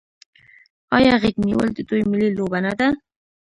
آیا غیږ نیول د دوی ملي لوبه نه ده؟